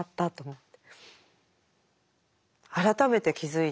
って。